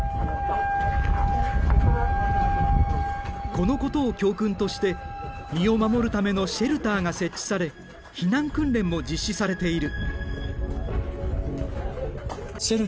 このことを教訓として身を守るためのシェルターが設置され避難訓練も実施されている。